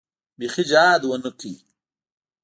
بيخي جهاد ونه کو.